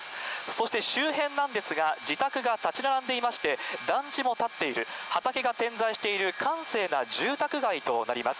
そして周辺なんですが、自宅が立ち並んでいまして、団地も建っている、畑が点在している閑静な住宅街となります。